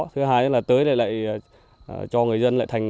thứ hai là tới đây lại cho người dân lại thành nhà